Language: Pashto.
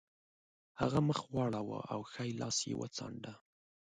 هغه مخ واړاوه او ښی لاس یې وڅانډه